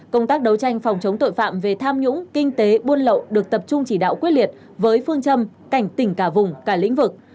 công tác đấu tranh phòng chống tội phạm về tham nhũng kinh tế buôn lậu được tập trung chỉ đạo quyết liệt với phương châm cảnh tỉnh cả vùng cả lĩnh vực